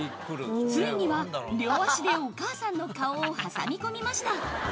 ついには両足でお母さんの顔を挟み込みました。